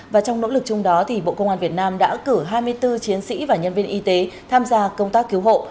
và trong nỗ lực chung đó bộ công an việt nam đã cử hai mươi bốn chiến sĩ và nhân viên y tế tham gia công tác cứu hộ